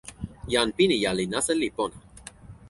jan Pinija li nasa li pona.